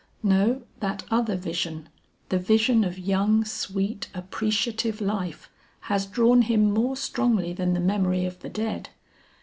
No, that other vision, the vision of young sweet appreciative life has drawn him more strongly than the memory of the dead.